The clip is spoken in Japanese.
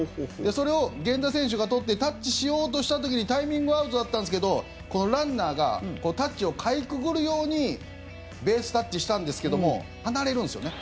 それを源田選手がとってタッチしようとした時にタイミングはアウトだったんですけどランナーがタッチをかいくぐるようにベースタッチしたんですけども離れるんですよね。